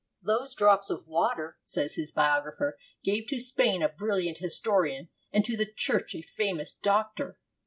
'Those drops of water,' says his biographer, 'gave to Spain a brilliant historian, and to the Church a famous doctor.'